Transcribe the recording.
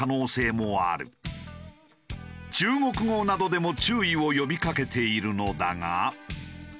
中国語などでも注意を呼びかけているのだが。